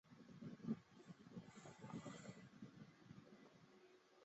小时候参加过中央人民广播电台少年广播合唱团。